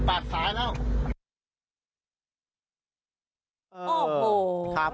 ปาดฝาแล้ว